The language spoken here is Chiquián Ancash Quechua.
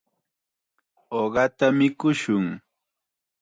Uqata mikushun.